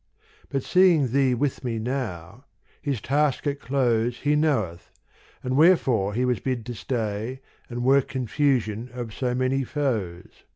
But seeing thee with me now, his task at close He knoweth, and wherefore he was bid to stay And work confusion of so many foes.